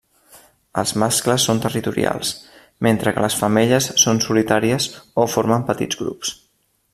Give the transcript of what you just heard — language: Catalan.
Els mascles són territorials, mentre que les femelles són solitàries o formen petits grups.